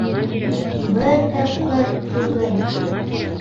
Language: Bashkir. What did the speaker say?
Бер тапҡыр түгел!